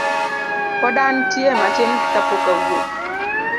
Pod antie matin kapok awuok.